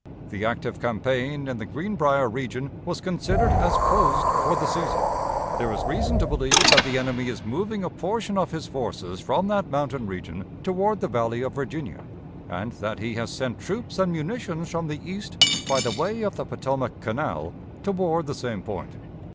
The active campaign in the Greenbrier region was considered as closed for the season. There is reason to believe that the enemy is moving a portion of his forces from that mountain region toward the Valley of Virginia, and that he has sent troops and munitions from the east by the way of the Potomac Canal toward the same point.